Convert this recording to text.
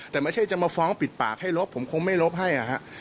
แต่ไม่ใช่จะมาฟ้องปิดปากให้ลบผมคงไม่ลบให้